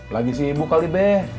lagi sibuk kali be